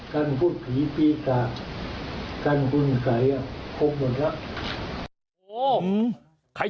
กันพุทธผีปีกากกันพุทธไข่ครบหมดละ